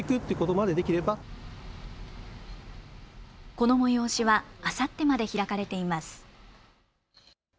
この催しはあさってまで開かれています。